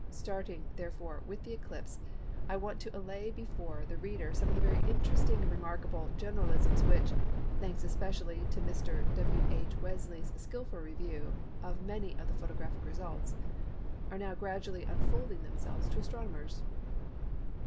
Starting, therefore, with that eclipse I want to lay before the reader some of the very interesting and remarkable generalisations which (thanks especially to Mr. W. H. Wesley's skilful review of many of the photographic results) are now gradually unfolding themselves to astronomers.